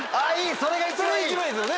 それが一番いいですよね。